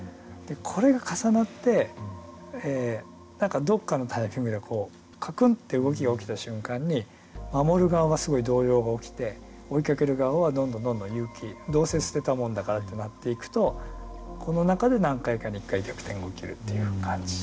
これが重なって何かどっかのタイミングでこうカクンって動きが起きた瞬間に守る側はすごい動揺が起きて追いかける側はどんどんどんどん勇気どうせ捨てたもんだからってなっていくとこの中で何回かに一回逆転が起きるっていう感じ。